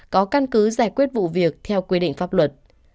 có căn cứ giải quyết vụ việc theo quy định pháp luật